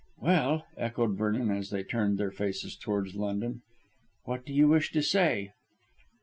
"Well," echoed Vernon, as they turned their faces towards London, "what do you wish to say?"